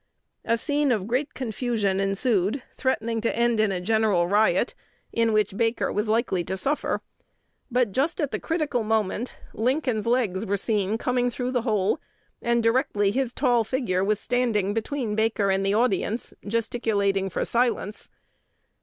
'" A scene of great confusion ensued, threatening to end in a general riot, in which Baker was likely to suffer. But just at the critical moment Lincoln's legs were seen coming through the hole; and directly his tall figure was standing between Baker and the audience, gesticulating for silence.